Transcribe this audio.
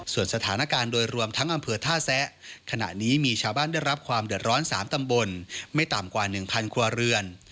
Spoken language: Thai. ส่วนสถานการณ์โดยรวมทั้งอำเภอท่าแซะขณะนี้มีชาวบ้านได้รับความเดือดร้อน๓ตำบลไม่ต่ำกว่า๑๐๐ครัวเรือน